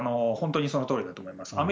本当にそのとおりだと思います。